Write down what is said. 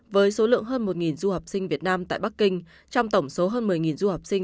với số lượng hơn một du học sinh việt nam tại bắc kinh trong tổng số hơn một mươi du học sinh